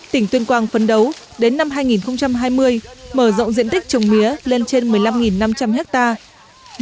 tỉnh tuyên quang phấn đấu đến năm hai nghìn hai mươi mở rộng diện tích trồng mía lên trên một mươi năm năm trăm linh hectare